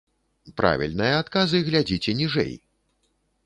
Правільныя адказы глядзіце ніжэй!